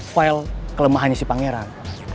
file kelemahannya si pangeran